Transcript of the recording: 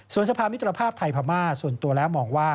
ส่วนสภามิตรภาพไทยพม่าส่วนตัวแล้วมองว่า